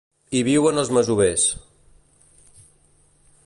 Hi viuen els masovers.